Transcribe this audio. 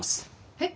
えっ？